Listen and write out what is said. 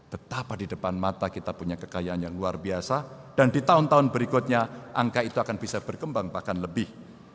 betapa di depan mata kita punya kekayaan yang luar biasa dan di tahun tahun berikutnya angka itu akan bisa berkembang bahkan lebih